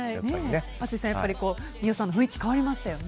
淳さん、美桜さんの雰囲気変わりましたよね。